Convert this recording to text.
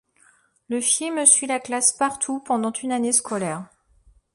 Le film suit la classe partout pendant une année scolaire.